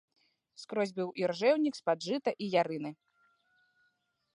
Скрозь быў іржэўнік з-пад жыта і ярыны.